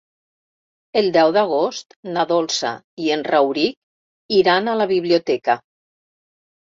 El deu d'agost na Dolça i en Rauric iran a la biblioteca.